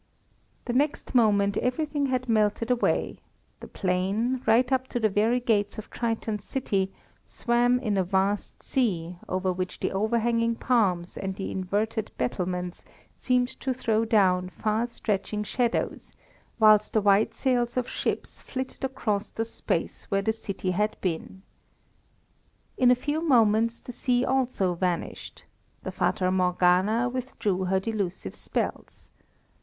The next moment everything had melted away the plain, right up to the very gates of Triton's city, swam in a vast sea, over which the overhanging palms and the inverted battlements seemed to throw down far stretching shadows, whilst the white sails of ships flitted across the space where the city had been. In a few moments the sea also vanished; the Fata Morgana withdrew her delusive spells.